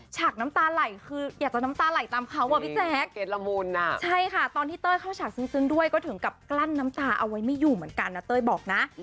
ใช่ค่ะเขามีอาชีพเป็นนางโชว์เนอะ